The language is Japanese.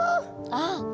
ああ。